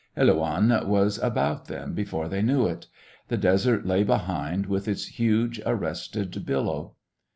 Helouan was about them before they knew it. The desert lay behind with its huge, arrested billow.